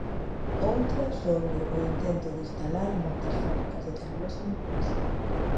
Outra sobre o intento de instalar moitas fábricas de celulosa no país.